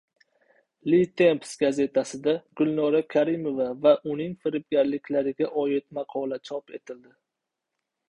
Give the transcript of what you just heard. Le Temps gazetasida Gulnora Karimova va uning firibgarliklariga oid maqola chop etildi